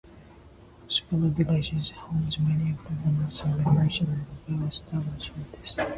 Osborne Village is home to many of Winnipeg's emerging and well-established artists.